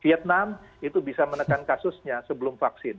vietnam itu bisa menekan kasusnya sebelum vaksin